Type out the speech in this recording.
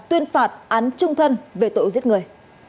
tuyên phạt án trung thân về tội giết người